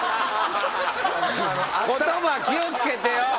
言葉気を付けてよ。